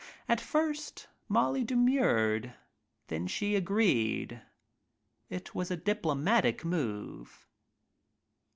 At first Molly demurred, then she agreed. It was a diplomatic move.